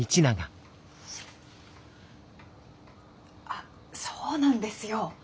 あそうなんですよ。